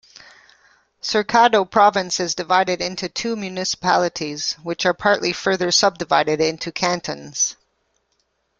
Cercado Province is divided into two municipalities which are partly further subdivided into cantons.